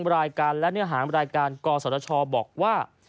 รายการและเนื้อหางรายการกอสัตว์ท้อบอกว่า